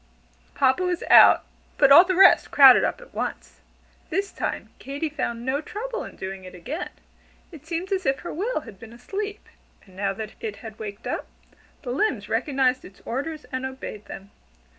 Papa was out, but all the rest crowded up at once. This time Katy found no trouble in "doing it again." It seemed as if her will had been asleep; and now that it had waked up, the limbs recognized its orders and obeyed them.